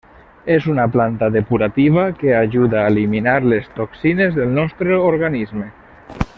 És una planta depurativa que ajuda a eliminar les toxines del nostre organisme.